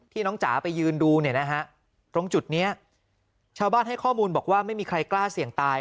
น้องจ๋าไปยืนดูเนี่ยนะฮะตรงจุดนี้ชาวบ้านให้ข้อมูลบอกว่าไม่มีใครกล้าเสี่ยงตาย